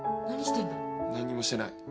何にもしてない。